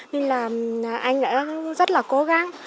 nên là anh đã rất là cố gắng